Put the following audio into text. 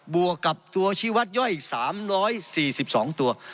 วกกับตัวชีวัตรย่อย๓๔๒ตัว